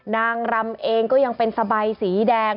นางรำเองก็ยังเป็นสบายสีแดง